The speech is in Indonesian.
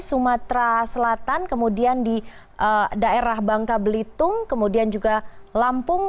sumatera selatan kemudian di daerah bangka belitung kemudian juga lampung